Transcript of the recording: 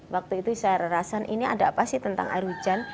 waktu itu saya rasa ini ada apa sih tentang air hujan